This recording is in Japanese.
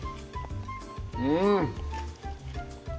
うん！